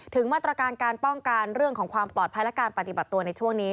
มาตรการการป้องกันเรื่องของความปลอดภัยและการปฏิบัติตัวในช่วงนี้